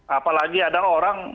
apalagi ada orang